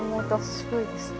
すごいですね。